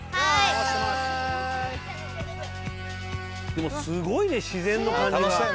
でもすごいね自然の感じが。